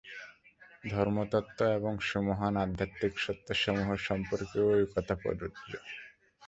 ধর্মতত্ত্ব এবং সুমহান আধ্যাত্মিক সত্যসমূহ সম্পর্কেও ঐ-কথা প্রযোজ্য।